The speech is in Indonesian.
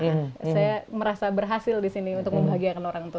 saya bisa membeli rumah sendiri saya merasa berhasil di sini untuk membahagiakan orang tua